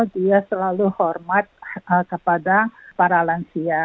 dia selalu hormat kepada para lansia